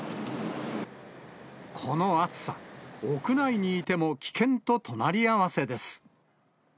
この暑さ、屋内にいても危険と隣り合わせです。